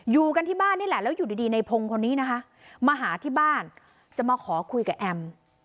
อยู่กันที่บ้านนี่แหละแล้วอยู่ดีในพงศ์คนนี้นะคะมาหาที่บ้านจะมาขอคุยกับแอม